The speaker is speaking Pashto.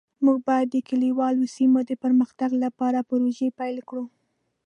موږ باید د کلیوالو سیمو د پرمختګ لپاره پروژې پلي کړو